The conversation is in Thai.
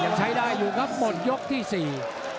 ยังใช้ได้อยู่ครับหมดยกที่สี่